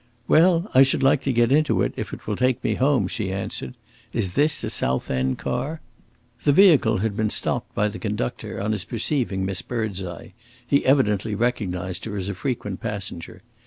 "Well, I should like to get into it, if it will take me home," she answered. "Is this a South End car?" The vehicle had been stopped by the conductor, on his perceiving Miss Birdseye; he evidently recognised her as a frequent passenger.